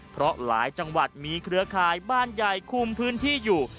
เพราะหลายจังหวัดมีเครือข่ายบ้านใหญ่คุมพื้นที่อยู่